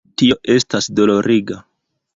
Tio estas doloriga.